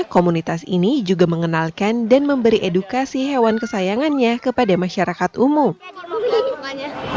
komunitas ini juga mengenalkan dan memberi edukasi hewan kesayangannya kepada masyarakat umum lingkungannya